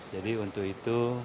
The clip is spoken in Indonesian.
jadi untuk itu